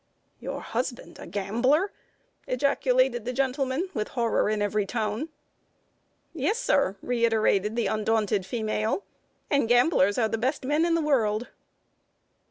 "Your husband a gambler!" ejaculated the gentleman, with horror in every tone. "Yes, sir," reiterated the undaunted female; "and gamblers are the best men in the world."